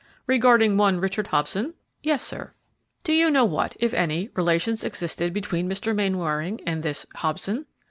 "Regarding one Richard Hobson?" "Yes, sir." "Do you know what, if any, relations existed between Mr. Mainwaring and this Hobson?"